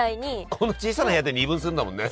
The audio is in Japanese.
この小さな部屋で二分するんだもんね。